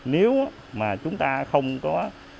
nếu mà chúng ta không có